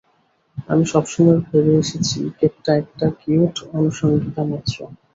আমি সবসময় ভেবে এসেছি কেপটা একটা কিউট আনুষঙ্গিকতা মাত্র।